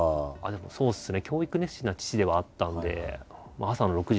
そうですね。